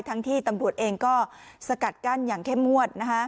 ทั้งทีตำรวจเองก็สกัดกั้นอย่างแค่มวด